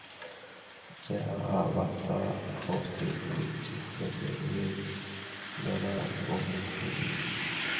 There are also watercourses which have many dragonflies.